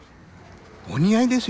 お似合いですよ。